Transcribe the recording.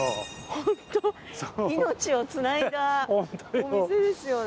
ホント命をつないだお店ですよね。